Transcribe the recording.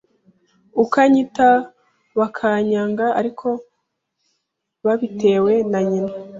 uko anyita bakanyanga ariko babitewe na nyina,